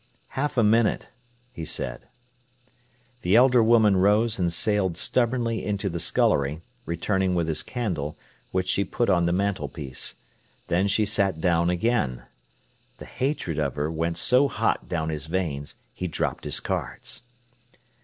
"Half a minute," he said. The elder woman rose and sailed stubbornly into the scullery, returning with his candle, which she put on the mantelpiece. Then she sat down again. The hatred of her went so hot down his veins, he dropped his cards.